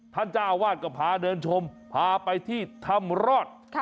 เจ้าอาวาสก็พาเดินชมพาไปที่ถ้ำรอด